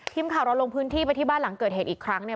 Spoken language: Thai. ทีมข่าวเราลงพื้นที่ไปที่บ้านหลังเกิดเหตุอีกครั้งเนี่ย